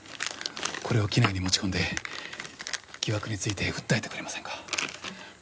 これを機内に持ち込んで疑惑について訴えてくれませんか？